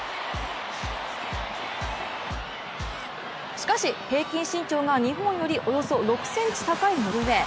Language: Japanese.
しかし、平均身長が日本よりおよそ６ｃｍ高いノルウェー。